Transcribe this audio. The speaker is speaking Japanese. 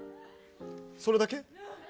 それだけ。